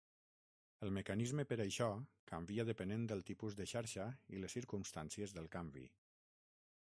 El mecanisme per això canvia depenent del tipus de xarxa i les circumstàncies del canvi.